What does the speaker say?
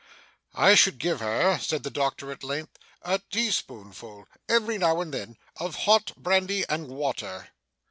'I should give her,' said the doctor at length, 'a tea spoonful, every now and then, of hot brandy and water.